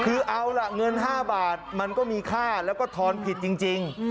คือเอาล่ะเงิน๕บาทมันก็มีค่าแล้วก็ทอนผิดจริง